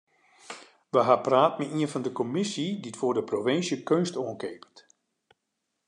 We ha praat mei ien fan de kommisje dy't foar de provinsje keunst oankeapet.